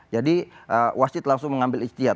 jadi wasit langsung mengambil istiad